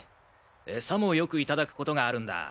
エサもよく頂くことがあるんだ。